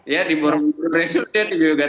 ya di borobudur resultat juga